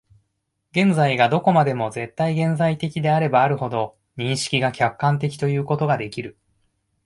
現在がどこまでも絶対現在的であればあるほど、認識が客観的ということができる。